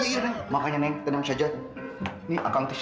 hah hah kebetulan ada si tom